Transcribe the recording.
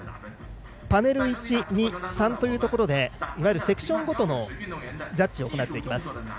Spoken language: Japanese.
パネル１、２、３というところでいわゆるセクションごとのジャッジを行っていきます。